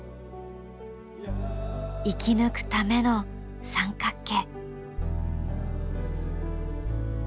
生き抜くための三角形。